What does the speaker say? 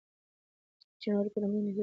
د جنوري په لومړۍ نېټه به زموږ نوی کال پیل شي.